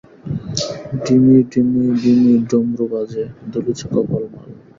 ডিমি ডিমি ডিমি ডমরু বাজে, দুলিছে কপাল মাল।